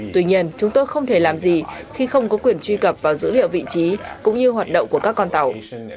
tuy nhiên chúng tôi không thể làm gì khi không có quyền truy cập vào dữ liệu vị trí cũng như hoạt động của các con tàu